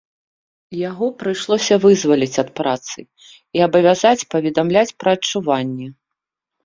Яго прыйшлося вызваліць ад працы і абавязаць паведамляць пра адчуванні.